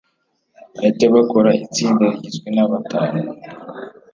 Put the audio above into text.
bahite bakora itsinda rigizwe na batanu